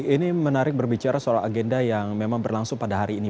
ini menarik berbicara soal agenda yang memang berlangsung pada hari ini